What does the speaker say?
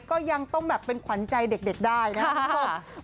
ก็ยังต้องแบบเป็นขวัญใจเด็กได้นะครับ